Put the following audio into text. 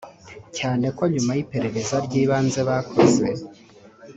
cyane ko nyuma y’iperereza ry’ibanze bakoze